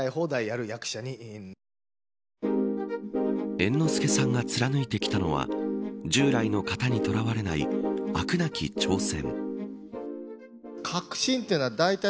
猿之助さんが貫いてきたのは従来の形にとらわれないあくなき挑戦。